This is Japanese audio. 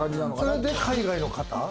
それで海外の方？